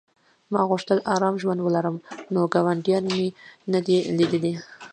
ما غوښتل ارام ژوند ولرم نو ګاونډیان مې نه دي لیدلي